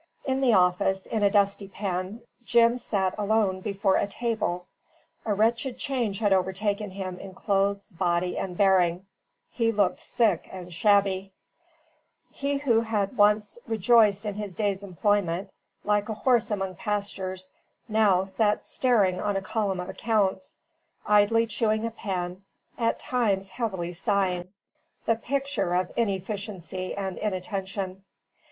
In the office, in a dusty pen, Jim sat alone before a table. A wretched change had overtaken him in clothes, body, and bearing; he looked sick and shabby; he who had once rejoiced in his day's employment, like a horse among pastures, now sat staring on a column of accounts, idly chewing a pen, at times heavily sighing, the picture of inefficiency and inattention.